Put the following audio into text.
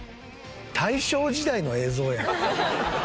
大正時代の映像やん。